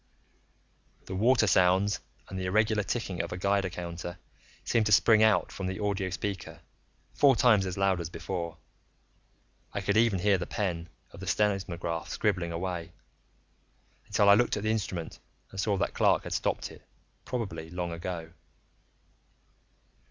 The water sounds and the irregular ticking of a Geiger counter seemed to spring out from the audio speaker, four times as loud as before. I could even hear the pen of the seismograph scribbling away, until I looked at the instrument and saw that Clark had stopped it, probably long ago.